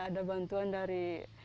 ada bantuan dari